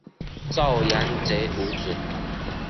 赵元杰无子。